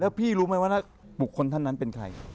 พี่รู้ไหมว่าบุคคลท่านนั้นเป็นใคร